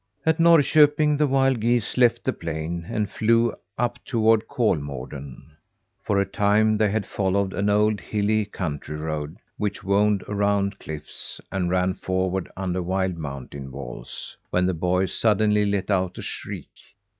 At Norrköping the wild geese left the plain, and flew up toward Kolmården. For a time they had followed an old, hilly country road, which wound around cliffs, and ran forward under wild mountain walls when the boy suddenly let out a shriek.